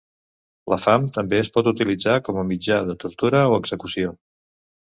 La fam també es pot utilitzar com a mitjà de tortura o execució.